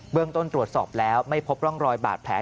เรื่องต้นตรวจสอบแล้วไม่พบร่องรอยบาดแผล